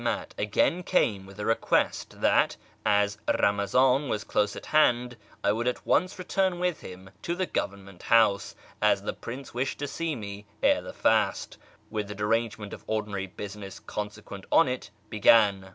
«a^5 again came with a request that, as Piamazan was close at hand, I would at once return with him to the Government House, as the Prince wished to see me ere jthe fast, with the derangement of ordinary business consequent on it, began.